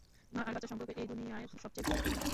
মা আর বাচ্চার সম্পর্ক, এই দুনিয়ার সবচেয়ে পবিত্র সম্পর্ক।